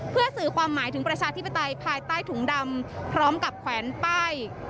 เพื่อสื่อความหมายถึงประชาธิปไตยภายใต้ถุงดำพร้อมกับแขวนป้าย